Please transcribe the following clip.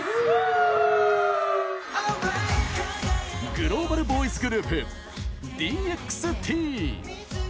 グローバルボーイズグループＤＸＴＥＥＮ。